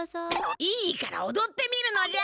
いいからおどってみるのじゃ！